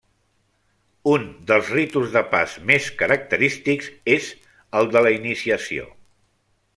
Un dels ritus de pas més característics és el de la iniciació.